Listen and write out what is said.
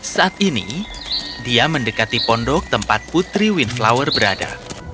saat ini dia mendekati pondok tempat putri windflower berada